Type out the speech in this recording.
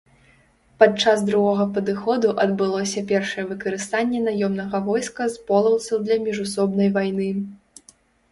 Падчас другога паходу адбылося першае выкарыстанне наёмнага войска з полаўцаў для міжусобнай вайны.